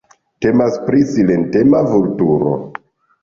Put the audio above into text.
Temas pri silentema vulturo.